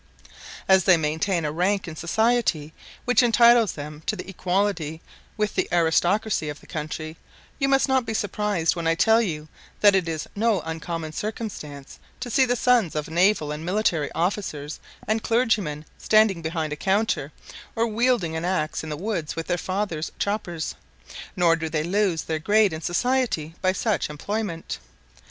As they maintain a rank in society which entitles them to equality with the aristocracy of the country, you must not be surprised when I tell you that it is no uncommon circumstance to see the sons of naval and military officers and clergymen standing behind a counter, or wielding an axe in the woods with their fathers' choppers; nor do they lose their grade in society by such employment.